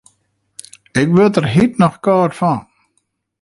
Ik wurd der hjit noch kâld fan.